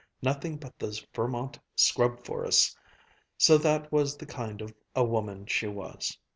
nothing but those Vermont scrub forests." So that was the kind of a woman she was.